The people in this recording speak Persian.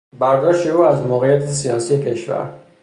برداشت او از موقعیت سیاسی کشور